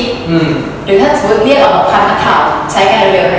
หรือถ้าสมมุติเรียกเอาคำข้าวใช้กันเร็วนะ